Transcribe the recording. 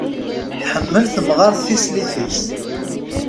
Tḥemmel temɣart tislit-is.